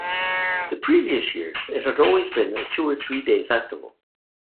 The previous years it had always been a two- or three-day festival.